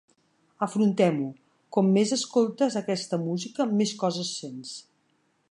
Afrontem-ho: com més escoltes aquesta música més coses sents.